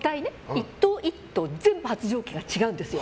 １頭１頭全部発情期が違うんですよ。